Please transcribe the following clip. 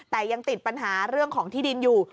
แต่ยังติดปัญหาเรื่องของที่ดินอยู่